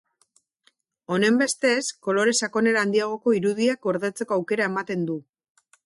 Honenbestez, kolore-sakonera handiagoko irudiak gordetzeko aukera ematen du.